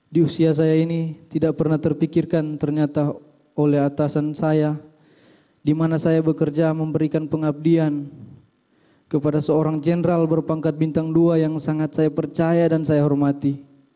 di usia saya ini tidak pernah terpikirkan ternyata oleh atasan saya di mana saya bekerja memberikan pengabdian kepada seorang jenderal berpangkat bintang dua yang sangat saya percaya dan saya hormati